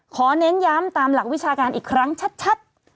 เน้นย้ำตามหลักวิชาการอีกครั้งชัด